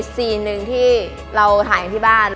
ซีนหนึ่งที่เราถ่ายกันที่บ้าน